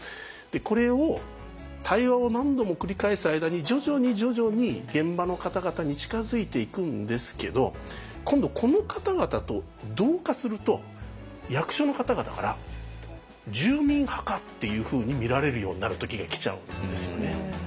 これを対話を何度も繰り返す間に徐々に徐々に現場の方々に近づいていくんですけど今度この方々と同化すると役所の方々から「住民派か」っていうふうに見られるようになる時が来ちゃうんですよね。